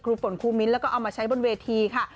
ฝนครูมิ้นแล้วก็เอามาใช้บนเวทีค่ะ